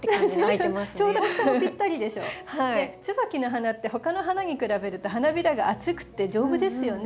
ツバキの花って他の花に比べると花びらが厚くて丈夫ですよね。